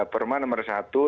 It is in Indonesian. perman nomor satu